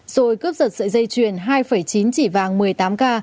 rồi cướp giật sợi dây chuyền hai chín chỉ vàng một mươi tám k